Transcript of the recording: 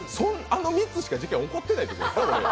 あの３つしか事件起こってないってことですか？